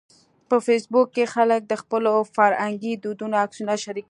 په فېسبوک کې خلک د خپلو فرهنګي دودونو عکسونه شریکوي